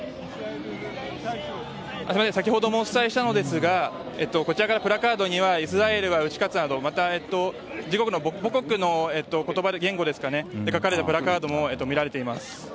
先ほどもお伝えしたのですがこちらのプラカードにはイスラエルは打ち勝つなどまた、母国の言語で書かれたプラカードも見られています。